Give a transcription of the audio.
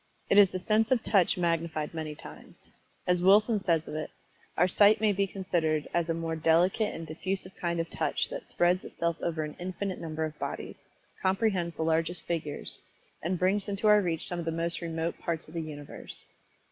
It is the sense of Touch magnified many times. As Wilson says of it, "Our sight may be considered as a more delicate and diffusive kind of touch that spreads itself over an infinite number of bodies; comprehends the largest figures, and brings into our reach some of the most remote parts of the universe."